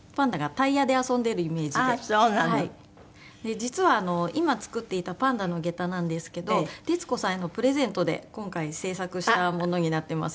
実は今作っていたパンダの下駄なんですけど徹子さんへのプレゼントで今回制作したものになってます。